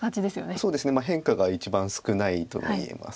そうですね変化が一番少ないとも言えます。